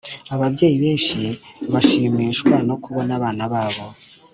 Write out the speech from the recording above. Ababyeyi benshi bashimishwa nokubona abana babo.